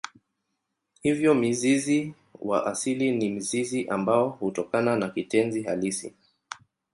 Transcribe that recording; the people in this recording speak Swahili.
Hivyo mzizi wa asili ni mzizi ambao hutokana na kitenzi halisi.